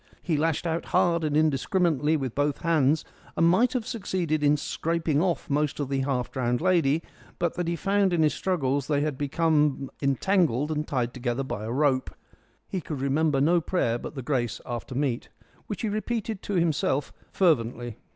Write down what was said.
He lashed out hard and indiscriminately with both hands, and might have succeeded in scraping off most of the half drowned lady, but that he found in his struggles they had both become entangled and tied together by a rope. He could remember no prayer but the grace after meat, which he repeated to himself fervently.